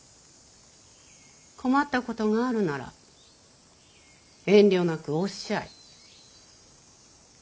困ったことがあるなら遠慮なくおっしゃい。